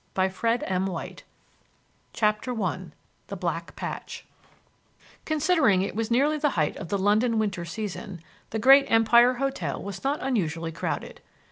A PEACEFUL SUNSET CHAPTER I THE BLACK PATCH Considering it was nearly the height of the London winter season, the Great Empire Hotel was not unusually crowded.